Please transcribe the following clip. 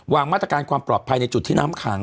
มาตรการความปลอดภัยในจุดที่น้ำขัง